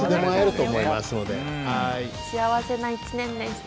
幸せな一年でした。